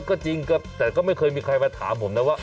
ก็จริงแต่ก็ไม่เคยมีใครมาถามผมนะว่า